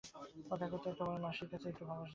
কথায় কথায় তোমার মাসির কাছে একটু আভাস দিলেই হয়।